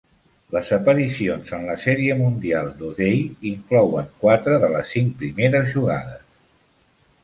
Les aparicions en la Sèrie Mundial d'O'Day inclouen quatre de les cinc primeres jugades.